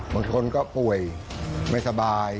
บางคนก็ป่วยไม่สบาย